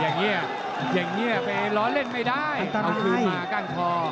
นี่อย่างนี้ไปร้อนเล่นไม่ได้เอาคืนมาก้างคอ